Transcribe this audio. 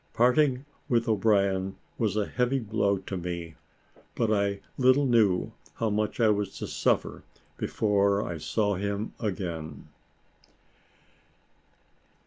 Parting with O'Brien was a heavy blow to me; but I little knew how much I was to suffer before I saw him again.